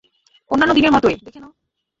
অন্যান্য দিনের মতোই, দেখে নাও।